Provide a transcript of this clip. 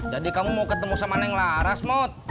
jadi kamu mau ketemu sama neng lara smot